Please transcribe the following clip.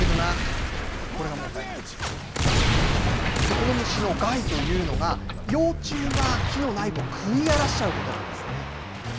この虫の害というのが、幼虫が木の内部を食い荒らしちゃうことなんですね。